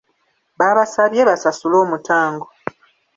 Baabasabye basasule omutango.